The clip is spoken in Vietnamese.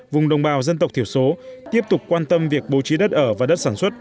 vùng đồng bào dân tộc thiểu số tiếp tục quan tâm việc bố trí đất ở và đất sản xuất